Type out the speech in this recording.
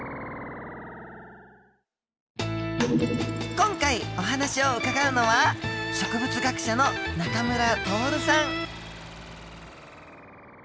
今回お話を伺うのは植物学者の中村徹さん。